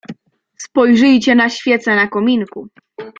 "Spojrzyjcie na świece na kominku."